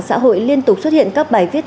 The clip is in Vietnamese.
xã hội liên tục xuất hiện các bài viết